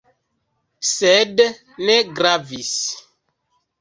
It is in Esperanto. Sed ne gravis!